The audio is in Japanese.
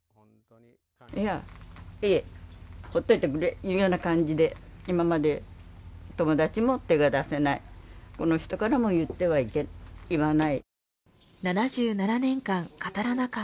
いや、ええ、ほっといてくれ、いうような感じで今まで友達も手が出せない、この人からも言わない。